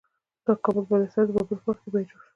د کابل بالا حصار د بابر په وخت کې بیا جوړ شو